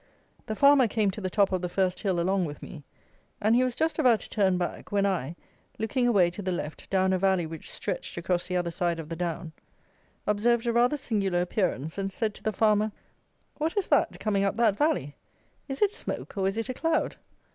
The farmer came to the top of the first hill along with me; and he was just about to turn back, when I, looking away to the left, down a valley which stretched across the other side of the down, observed a rather singular appearance, and said to the farmer, "What is that coming up that valley? is it smoke, or is it a cloud?"